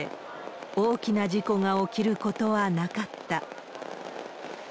大きな事故が起きることはなかった。